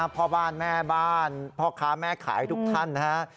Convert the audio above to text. พ่อบ้านแม่บ้านพ่อค้าแม่ขายทุกท่านนะฮะ